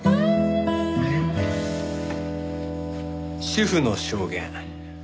主婦の証言